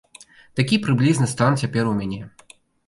Такі прыблізна стан цяпер у мяне.